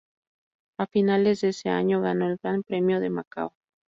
A finales de ese año, ganó el Gran Premio de Macao.